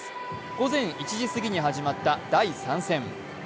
午前１時すぎに始まった第３戦。